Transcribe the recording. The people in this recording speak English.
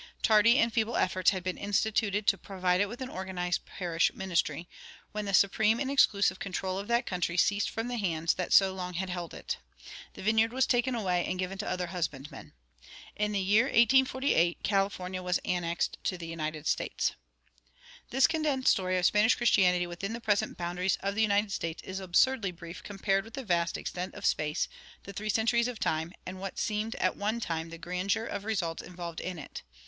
Tardy and feeble efforts had been instituted to provide it with an organized parish ministry, when the supreme and exclusive control of that country ceased from the hands that so long had held it. "The vineyard was taken away, and given to other husbandmen." In the year 1848 California was annexed to the United States. This condensed story of Spanish Christianity within the present boundaries of the United States is absurdly brief compared with the vast extent of space, the three centuries of time, and what seemed at one time the grandeur of results involved in it.